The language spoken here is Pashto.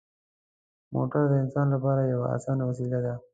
موټر د انسان لپاره یوه اسانه وسیله ده.